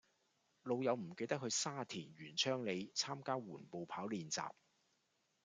老友唔記得去沙田源昌里參加緩步跑練習